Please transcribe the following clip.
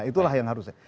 itulah yang harus